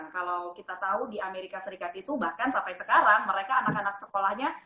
kalau kita tahu di amerika serikat itu bahkan sampai sekarang mereka anak anak sekolahnya